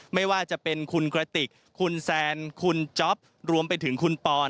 ไม่ว่าจะเป็นคุณกระติกคุณแซนคุณจ๊อปรวมไปถึงคุณปอน